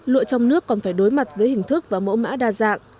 lụa trong nước còn phải đối mặt với hình thức và mẫu mã đa dạng